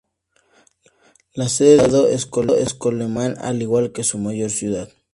La sede del condado es Coleman, al igual que su mayor ciudad.